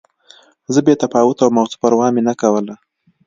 زه بې تفاوته وم او څه پروا مې نه کوله